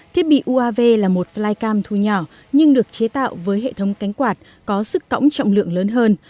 thiết bị uav là một flycam thu nhỏ nhưng được chế tạo với hệ thống cánh quạt có sức cổng trọng lượng lớn hơn